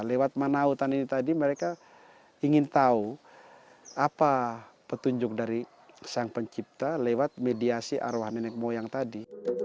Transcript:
lewat manautan ini tadi mereka ingin tahu apa petunjuk dari sang pencipta lewat mediasi arwah nenek moyang tadi